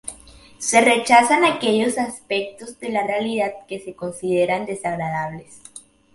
Se rechazan aquellos aspectos de la realidad que se consideran desagradables.